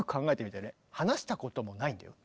話したこともないんだよ。